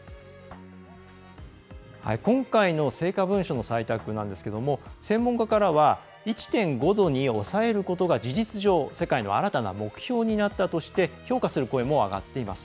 今回の成果文書の採択なんですけども専門家からは１．５度に抑えることが事実上世界の新たな目標になったとして評価する声も上がっています。